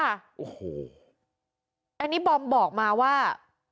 อันนี้บอมบอกมาว่า